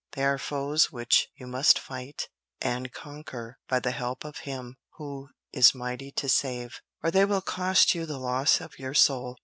They are foes which you must fight and conquer by the help of Him who is mighty to save, or they will cost you the loss of your soul.